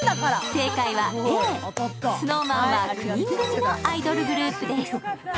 正解はＡ、ＳｎｏｗＭａｎは９人組のアイドルグループです。